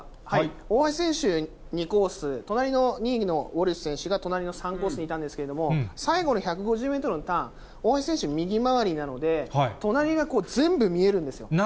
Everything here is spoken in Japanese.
大橋選手２コース、隣の２位のウォルシュ選手が隣の３コースにいたんですけれども、最後の１５０メートルのターン、大橋選手、右回りなので、隣が全部見えるんですよ。